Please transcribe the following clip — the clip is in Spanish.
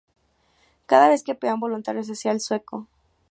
Cada vez que pedían voluntarios, se hacía el sueco